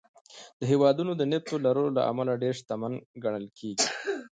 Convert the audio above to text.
دا هېوادونه د نفتو لرلو له امله ډېر شتمن ګڼل کېږي.